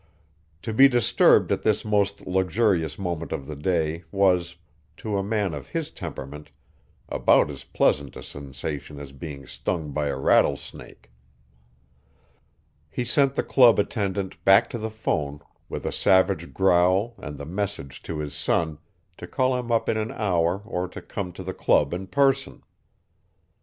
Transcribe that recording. To be disturbed at this most luxurious moment of the day was, to a man of his temperament, about as pleasant a sensation as being stung by a rattlesnake. He sent the club attendant back to the phone with a savage growl and the message to his son to call him up in an hour or to come to the club in person.